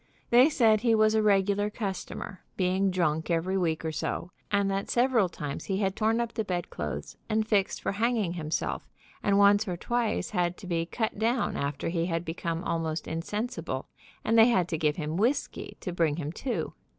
They said he was a regular customer, being drunk every week or so, and that several times he had torn up the bedclothes and fixed for hanging himself, and once or twice had to be cut down after he had become almost insensible, and they had to give him whisky to bring him to.